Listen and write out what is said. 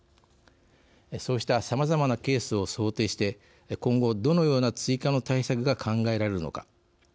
そうしたさまざまなケースを想定して今後、どのような追加の対策が考えられるのか。